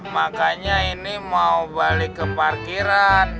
makanya ini mau balik ke parkiran